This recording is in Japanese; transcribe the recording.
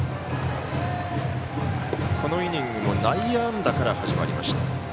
このイニングも内野安打から始まりました。